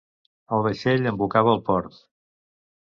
El vaixell embocava el port.